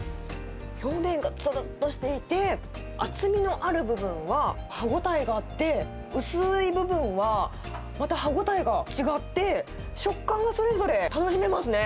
表面がつるっとしていて、厚みのある部分は歯応えがあって、薄い部分はまた歯応えが違って、食感がそれぞれ楽しめますね。